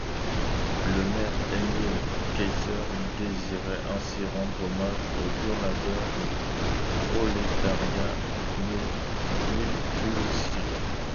Le maire, Émile Kaiser, désirait ainsi rendre hommage au dur labeur du prolétariat mulhousien.